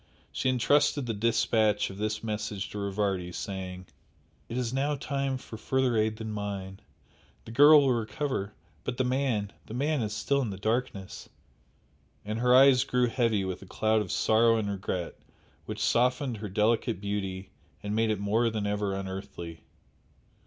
She entrusted the dispatch of this message to Rivardi, saying "It is now time for further aid than mine. The girl will recover but the man the man is still in the darkness!" And her eyes grew heavy with a cloud of sorrow and regret which softened her delicate beauty and made it more than ever unearthly.